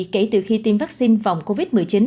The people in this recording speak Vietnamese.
kể từ khi tiêm vaccine phòng covid một mươi chín